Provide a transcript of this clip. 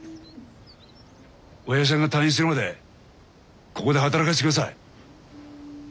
おやじさんが退院するまでここで働かせてください。